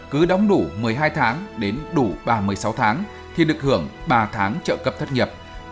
cứ đóng đủ một mươi hai tháng đến đủ ba mươi sáu tháng thì được hưởng ba tháng trợ cấp thất nghiệp